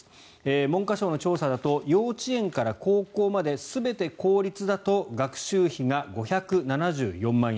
文科省の調査だと幼稚園から高校まで全て公立だと学習費が５７４万円。